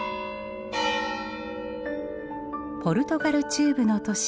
ポルトガル中部の都市